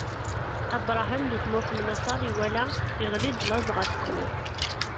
Abṛaham di tmurt n Maṣer iwala iɣli-d laẓ ɣef tmurt.